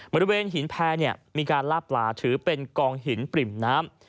บริเวณหินแพร่มีการลาบปลาถือเป็นกองหินปริ่มน้ำ